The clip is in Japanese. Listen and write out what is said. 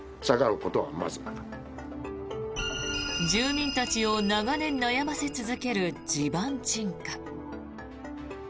住民たちを長年悩ませ続ける地盤沈下。